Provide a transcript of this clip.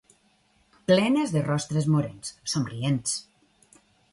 Plenes de rostres morens, somrients